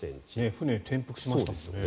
船転覆してましたもんね。